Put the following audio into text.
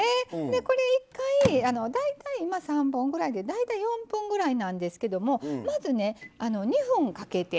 でこれ１回大体今３本ぐらいで大体４分ぐらいなんですけどもまずね２分かけて。